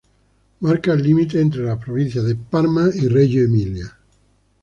Marca el límite entre las provincias de Parma y Reggio Emilia.